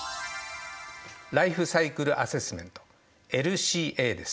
ライフサイクルアセスメントＬＣＡです。